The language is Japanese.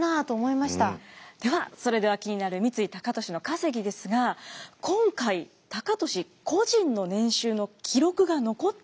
ではそれでは気になる三井高利の稼ぎですが今回高利個人の年収の記録が残っていました。